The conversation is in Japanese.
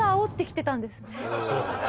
そうですね。